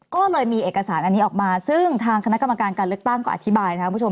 ก็เลยมีเอกสารอันนี้ออกมาซึ่งทางคณะกรรมการการเลือกตั้งก็อธิบายนะครับคุณผู้ชม